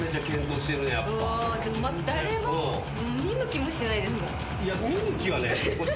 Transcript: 誰も見向きもしてないですもん。